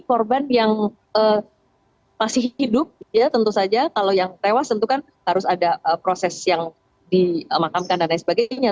korban yang masih hidup ya tentu saja kalau yang tewas tentu kan harus ada proses yang dimakamkan dan lain sebagainya